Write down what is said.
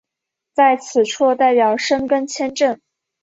在此处代表申根签证。